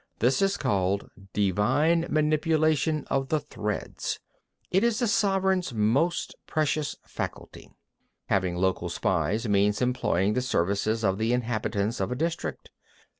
This is called "divine manipulation of the threads." It is the sovereign's most precious faculty. 9. Having local spies means employing the services of the inhabitants of a district.